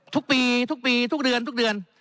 ทุกปีทุกปีทุกเดือนทุกเดือน